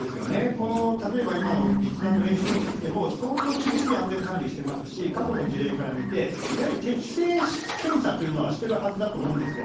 この、例えば今の実弾の練習のときでも、相当厳しい安全管理してますし、過去の事例から見て、やはり適性検査というのはしてるはずだと思うんですよ。